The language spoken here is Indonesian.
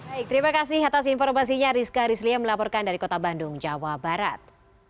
baik terima kasih atas informasinya rizka rizlia melaporkan dari kota bandung jawa barat